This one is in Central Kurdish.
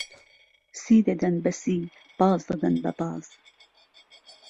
سی دهدەن بهسی باز دهدەن به باز